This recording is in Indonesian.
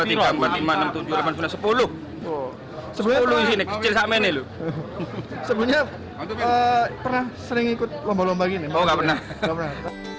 sepuluh sepuluh ini kecil sama ini sebenarnya pernah sering ikut lomba lomba gini oh gak pernah